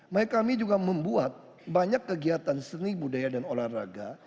makanya kami juga membuat banyak kegiatan seni budaya dan olahraga